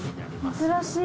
珍しい。